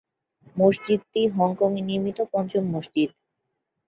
মসজিদটি হংকংয়ে নির্মিত পঞ্চম মসজিদ।